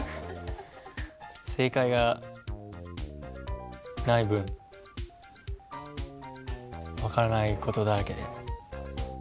正解がない分分からない事だらけで。